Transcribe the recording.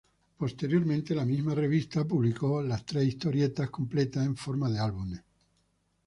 Posteriormente la misma revista publicó las tres historietas completas en forma de álbumes.